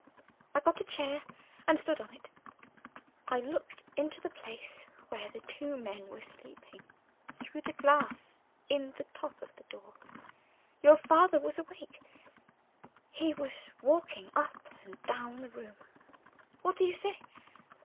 I got a chair and stood on it. I looked into the place where the two men were sleeping, through the glass in the top of the door. Your father was awake; he was walking up and down the room. What do you say?